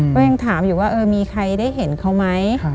ก็ยังถามอยู่ว่ามีใครได้เห็นเขาไหม